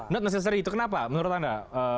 not necessary itu kenapa menurut anda